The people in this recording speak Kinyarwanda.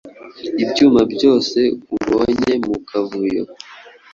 ibyuma byose ubonye mu kavuyo;